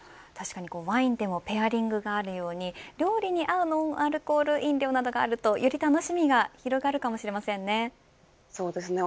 ワインでもペアリングがあるように料理に合うノンアルコール飲料があるとより楽しみが広がるかもしれませんね。